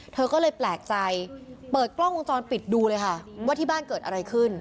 เธอก็เลยแปลกใจเปิดกล้องวงจรปิดดูเลยค่ะว่าที่บ้านเกิดอะไรขึ้น